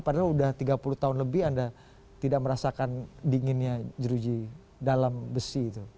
padahal sudah tiga puluh tahun lebih anda tidak merasakan dinginnya jeruji dalam besi itu